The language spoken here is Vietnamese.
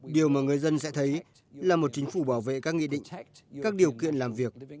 điều mà người dân sẽ thấy là một chính phủ bảo vệ các nghị định các điều kiện làm việc